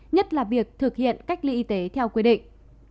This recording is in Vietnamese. nhất là việc thực hiện cách ly y tế theo quy định